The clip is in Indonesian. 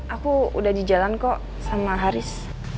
aku udah di jalan kok sama haris